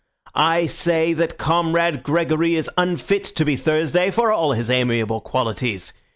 I say that Comrade Gregory is unfit to be Thursday for all his amiable qualities.